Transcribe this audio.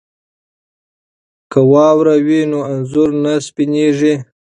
که واوره وي نو انځور نه سپینیږي.